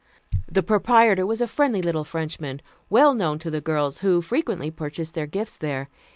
The proprietor was a friendly little Frenchman, well known to the girls, who frequently purchased their gifts there.